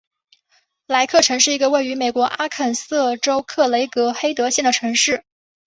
莱克城是一个位于美国阿肯色州克雷格黑德县的城市。